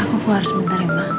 aku pun harus sebentar ma